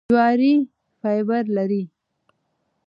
جواري فایبر لري .